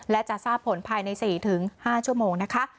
และจะทราบผลภายใน๔๕ชั่วโมงนะคะ